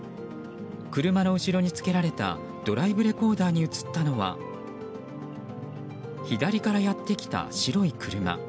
車の後ろにつけられたドライブレコーダーに映ったのは左からやってきた白い車。